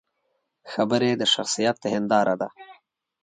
خبرې د شخصیت هنداره ده